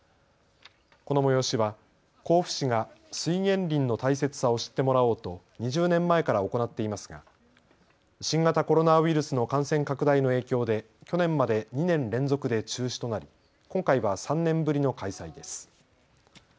この催しは甲府市が水源林の大切さを知ってもらおうと２０年前から行っていますが新型コロナウイルスの感染拡大の影響で去年まで２年連続で中止となり今回は３年ぶりの開催です。